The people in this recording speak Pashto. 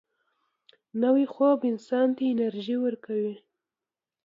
نوی خوب انسان ته انرژي ورکوي